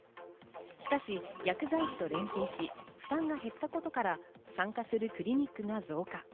しかし、薬剤師と連携し、負担が減ったことから、参加するクリニックが増加。